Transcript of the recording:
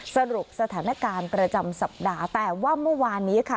สรุปสถานการณ์ประจำสัปดาห์แต่ว่าเมื่อวานนี้ค่ะ